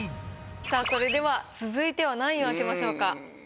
さあそれでは続いては何位を開けましょうか？